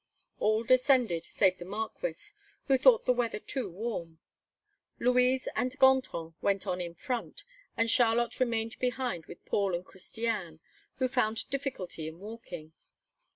All descended, save the Marquis, who thought the weather too warm. Louise and Gontran went on in front, and Charlotte remained behind with Paul and Christiane, who found difficulty in walking.